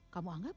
kamu anggap maju